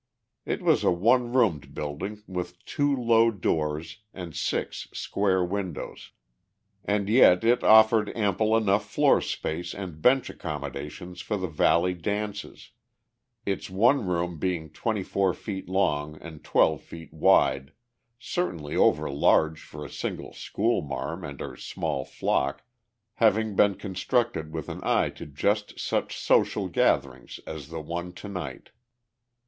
It was a one roomed building with two low doors and six square windows. And yet it offered ample enough floor space and bench accommodations for the valley dances, its one room being twenty four feet long and twelve feet wide, certainly over large for the single "school marm" and her small flock, having been constructed with an eye to just such social gatherings as the one tonight.